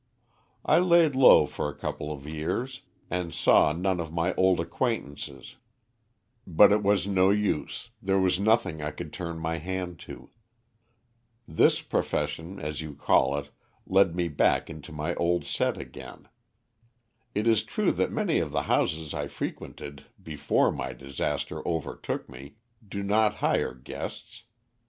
I laid low for a couple of years, and saw none of my old acquaintances; but it was no use, there was nothing I could turn my hand to. This profession, as you call it, led me back into my old set again. It is true that many of the houses I frequented before my disaster overtook me, do not hire guests.